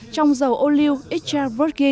trong dầu oleo hv